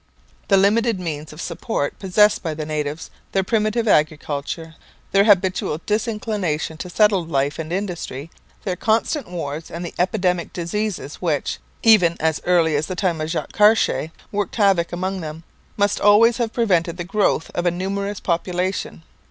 The limited means of support possessed by the natives, their primitive agriculture, their habitual disinclination to settled life and industry, their constant wars and the epidemic diseases which, even as early as the time of Jacques Cartier, worked havoc among them, must always have prevented the growth of a numerous population.